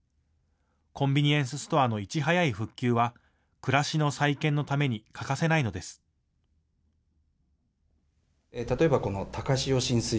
コンビニエンスストアのいち早い復旧は暮らしの再建のために欠かせないのです。